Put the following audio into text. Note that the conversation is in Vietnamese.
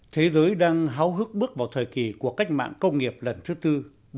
thế giới đang háo hức bước vào thời kỳ của cách mạng công nghiệp lần thứ tư